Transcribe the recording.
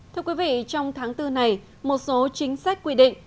thưa quý vị trong tháng bốn này một số chính sách quy định